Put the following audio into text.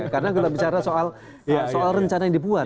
karena kita bicara soal rencana yang dibuat